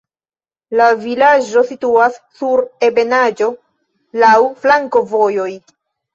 La vilaĝo situas sur ebenaĵo, laŭ flankovojoj.